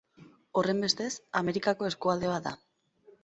Horrenbestez, Amerikako eskualde bat da.